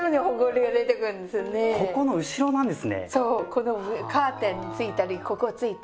このカーテンについたりここついたり。